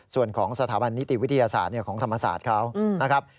ส่วนของสถาบันนิติวิทยาศาสตร์ของธรรมศาสตร์เขานะครับ